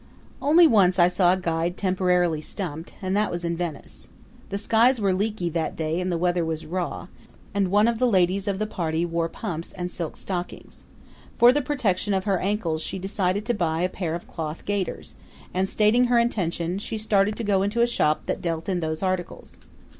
Only once I saw a guide temporarily stumped, and that was in Venice. The skies were leaky that day and the weather was raw; and one of the ladies of the party wore pumps and silk stockings. For the protection of her ankles she decided to buy a pair of cloth gaiters; and, stating her intention, she started to go into a shop that dealt in those articles.